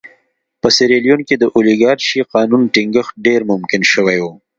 په سیریلیون کې د اولیګارشۍ قانون ټینګښت ډېر ممکن شوی و.